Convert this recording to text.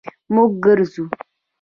مونږ ګرځو